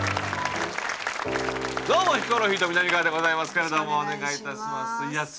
どうもヒコロヒーとみなみかわでございますけれどもお願いいたします。